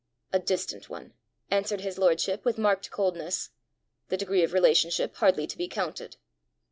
"A distant one," answered his lordship with marked coldness, " the degree of relationship hardly to be counted."